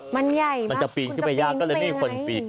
มันใหญ่มากคุณจะปีนไปยากมันจะปีนไปยาก